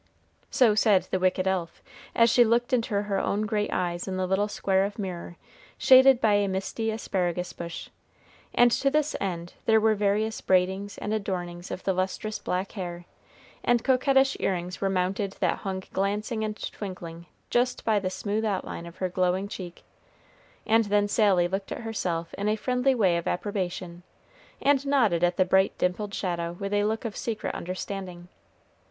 So said the wicked elf, as she looked into her own great eyes in the little square of mirror shaded by a misty asparagus bush; and to this end there were various braidings and adornings of the lustrous black hair, and coquettish earrings were mounted that hung glancing and twinkling just by the smooth outline of her glowing cheek, and then Sally looked at herself in a friendly way of approbation, and nodded at the bright dimpled shadow with a look of secret understanding.